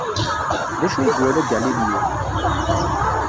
D acu ay iwala Galileo?